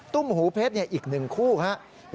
ุ่มหูเพชรอีก๑คู่ครับ